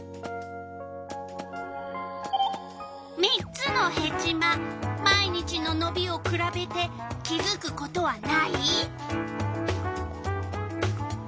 ３つのヘチマ毎日ののびをくらべて気づくことはない？